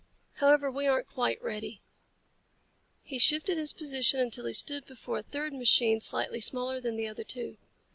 However, we aren't quite ready." He shifted his position until he stood before a third machine slightly smaller than the other two.